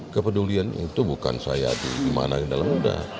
kepedulian itu bukan saya di mana mana